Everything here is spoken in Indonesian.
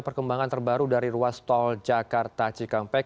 perkembangan terbaru dari ruas tol jakarta cikampek